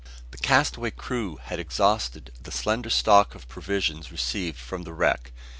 The castaway crew had exhausted the slender stock of provisions received from the wreck.